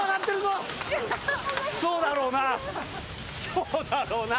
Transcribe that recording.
そうだろうな。